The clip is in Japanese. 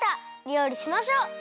りょうりしましょう！